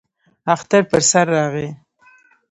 اختر پر سر راغی.